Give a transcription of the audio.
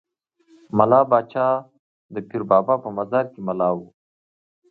ملا پاچا د پیر بابا په مزار کې ملا وو.